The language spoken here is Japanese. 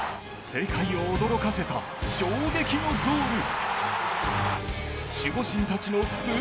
世界を驚かせた衝撃のゴール。